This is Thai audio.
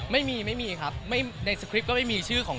ไม่มาสายแน่นอนฮะ